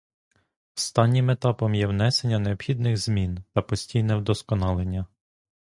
Останнім етапом є внесення необхідних змін та постійне вдосконалення.